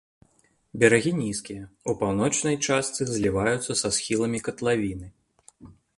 Берагі нізкія, у паўночнай частцы зліваюцца са схіламі катлавіны.